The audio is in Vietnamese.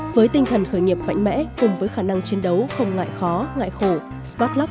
với tinh thần khởi nghiệp mạnh mẽ cùng với khả năng chiến đấu không ngại khó ngại khổ